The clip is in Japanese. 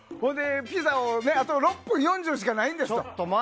ピザもあと６分４０しかないんですよ。